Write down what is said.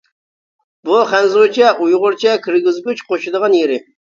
بۇ خەنزۇچە، ئۇيغۇرچە كىرگۈزگۈچ قوشىدىغان يېرى.